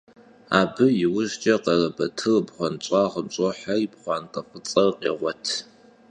Abı yiujç'e Kharebatır bğuenş'ağım ş'oheri pxhuante f'ıts'ejır khêğuet.